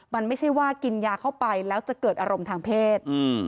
มันไม่ใช่ว่ากินยาเข้าไปแล้วจะเกิดอารมณ์ทางเพศ